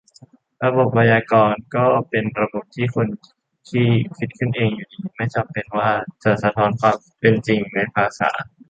ระบบไวยากรณ์ ก็อาจเป็นระบบที่คนคิดขึ้นเองอยู่ดี ไม่จำเป็นว่าจะสะท้อนความเป็นจริงในภาษา